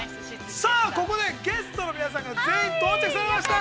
さあここで、ゲストの皆さんが、全員到着されました。